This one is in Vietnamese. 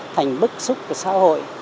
thành bức xúc của xã hội